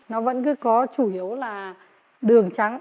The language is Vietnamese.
nó vẫn cứ có chủ yếu là đường trắng